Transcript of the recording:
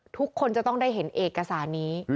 ทุกคนจะต้องได้เห็นเอกสารนี้